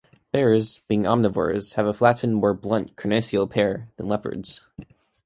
Bears, being omnivores, have a flattened, more blunt carnassial pair than leopards.